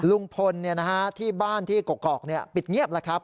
ลุงพลที่บ้านที่กอกปิดเงียบแล้วครับ